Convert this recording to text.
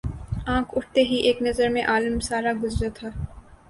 آنکھ اٹھتے ہی ایک نظر میں عالم سارا گزرے تھا